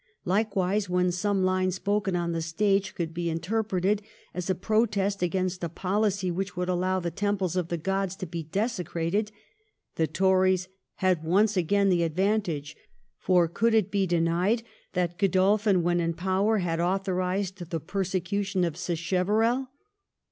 Likewise, when some line spoken on the stage could be interpreted as a protest against a poHcy which would allow the temples of the gods to be desecrated, the Tories had once again the advantage, for could it be denied that Godolphin when in power had authorised the persecution of Sacheverel